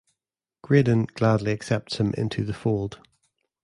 Graydon gladly accepts him into the fold.